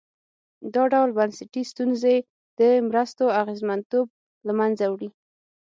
دا ډول بنسټي ستونزې د مرستو اغېزمنتوب له منځه وړي.